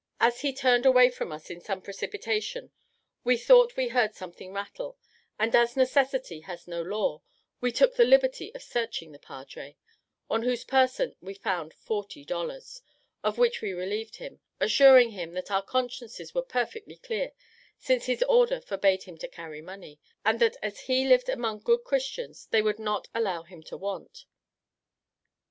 As he turned away from us, in some precipitation, we thought we heard something rattle; and as necessity has no law, we took the liberty of searching the padre, on whose person we found forty dollars, of which we relieved him, assuring him that our consciences were perfectly clear, since his order forbade him to carry money; and that as he lived among good Christians, they would not allow him to want.